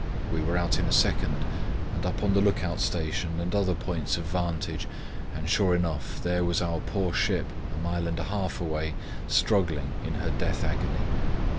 We were out in a second and up on the look out station and other points of vantage, and, sure enough, there was our poor ship a mile and a half away struggling in her death agony.